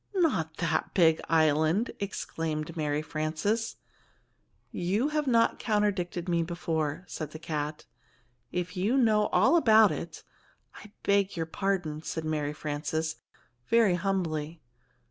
"Not that big island!" exclaimed Mary Frances. "You have not contradicted me before," said the cat. "If you know all about it " "I beg your pardon," said Mary Frances, very humbly.